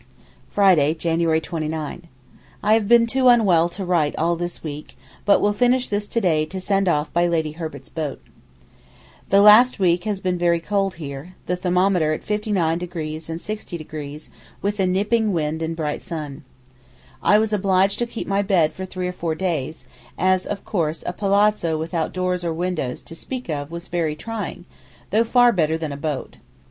Friday, January 29.—I have been too unwell to write all this week, but will finish this to day to send off by Lady Herbert's boat. The last week has been very cold here, the thermometer at 59° and 60°, with a nipping wind and bright sun. I was obliged to keep my bed for three or four days, as of course a palazzo without doors or windows to speak of was very trying, though far better than a boat.